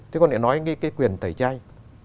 thế còn để nói cái quyền tẩy chay